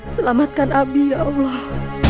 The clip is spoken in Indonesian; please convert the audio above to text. selamatkan abi ya allah